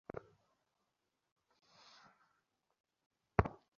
যাহারা তাঁহাদের সংস্পর্শে আসে, তাহাদের হৃদয়দীপও যেন প্রজ্বলিত হইয়া উঠে।